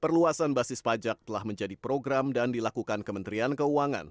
perluasan basis pajak telah menjadi program dan dilakukan kementerian keuangan